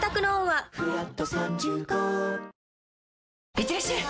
いってらっしゃい！